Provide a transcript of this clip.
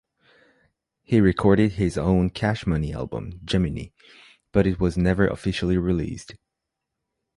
He recorded his own Cash Money album, "Gemini", but it was never officially released.